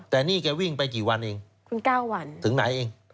แต่นี่แกวิ่งไปกี่วันเองคุณ๙วันถึงไหนเอง